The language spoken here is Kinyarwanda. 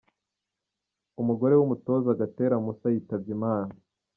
Umugore w’umutoza Gatera Moussa yitabye Imana.